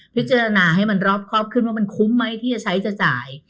พิจารณาให้มันรอบครอบขึ้นว่ามันคุ้มไหมที่จะใช้จะจ่าย